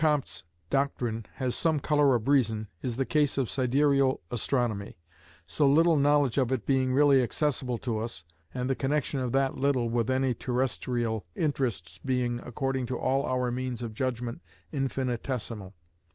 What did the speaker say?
Comte's doctrine has some colour of reason, is the case of sidereal astronomy: so little knowledge of it being really accessible to us, and the connexion of that little with any terrestrial interests being, according to all our means of judgment, infinitesimal.